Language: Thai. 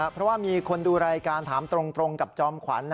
เพราะว่ามีคนดูรายการถามตรงกับจอมขวัญ